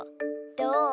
どう？